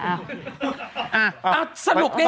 อ่ะสนุกแน่